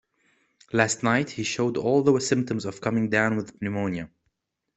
Last night he showed all the symptoms of coming down with pneumonia.